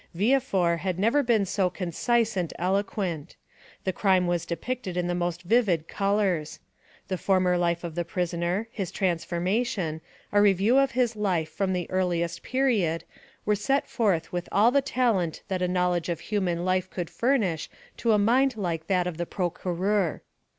Villefort had never been so concise and eloquent. The crime was depicted in the most vivid colors; the former life of the prisoner, his transformation, a review of his life from the earliest period, were set forth with all the talent that a knowledge of human life could furnish to a mind like that of the procureur.